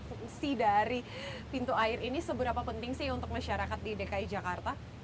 fungsi dari pintu air ini seberapa penting sih untuk masyarakat di dki jakarta